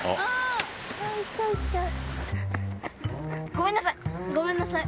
ごめんなさい！